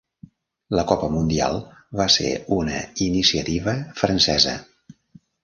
La Copa Mundial va ser una iniciativa francesa.